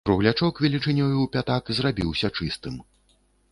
Круглячок велічынёю ў пятак зрабіўся чыстым.